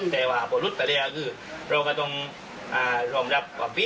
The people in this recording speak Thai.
เพราะเราต้องบันไดได้